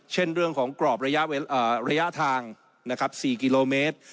เช่นเรื่องของกรอบระยะทาง๔กิโลเมตร